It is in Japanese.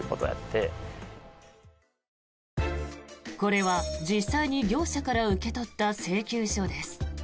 これは実際に業者から受け取った請求書です。